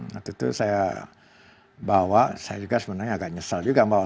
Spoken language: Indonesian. waktu itu saya bawa saya juga sebenarnya agak nyesel juga bahwa